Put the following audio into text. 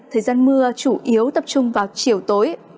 thời gian mưa chủ yếu tập trung vào chiều tối